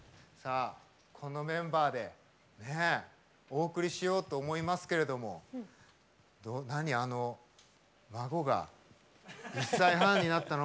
このメンバーでお送りしようと思いますけれども孫が１歳半になったの？